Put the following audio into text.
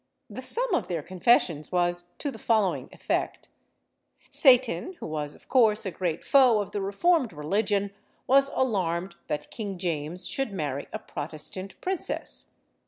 The sum of their confessions was to the following effect: Satan, who was, of course, a great foe of the reformed religion, was alarmed that King James should marry a Protestant princess.